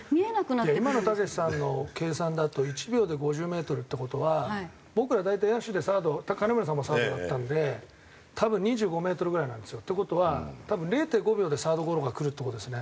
今のたけしさんの計算だと１秒で５０メートルって事は僕ら大体野手でサード金村さんもサードだったんで多分２５メートルぐらいなんですよ。という事は多分０．５秒でサードゴロがくるって事ですね。